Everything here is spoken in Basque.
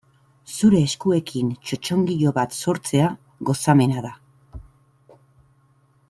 Zure eskuekin txotxongilo bat sortzea gozamena da.